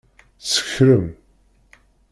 Tsekṛem?